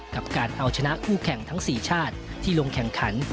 กับการเอาชนะคู่แข่งทั้ง๔ชาติที่ลงแข่งขัน